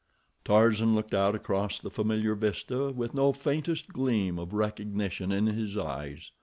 Tarzan looked out across the familiar vista with no faintest gleam of recognition in his eyes.